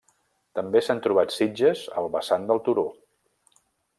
També s'han trobat sitges al vessant del turó.